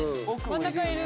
真ん中いる。